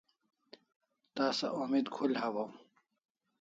Tasa omit khul hawaw